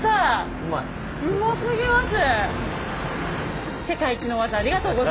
うますぎます！